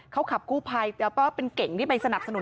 เขาขับกู้ภัยแล้วก็เป็นเก่งที่ไปสนับสนุน